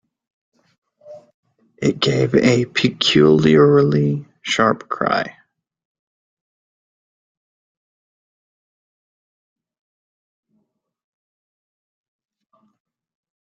It gave a peculiarly sharp cry.